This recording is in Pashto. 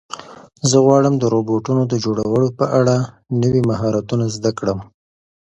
زه غواړم د روبوټونو د جوړولو په اړه نوي مهارتونه زده کړم.